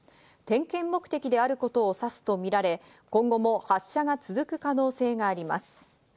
点検目的であることを指すとみられ、今後も発射が続く可能性があります。